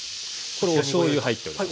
これおしょうゆ入っております。